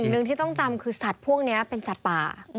หนึ่งที่ต้องจำคือสัตว์พวกนี้เป็นสัตว์ป่า